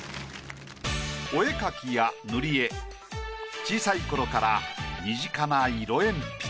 お絵描きや塗り絵小さい頃から身近な色鉛筆。